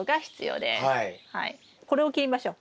これを切りましょう。